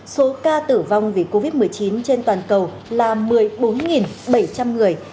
số ca tử vong vì covid một mươi chín trên toàn cầu là một mươi bốn bảy trăm linh người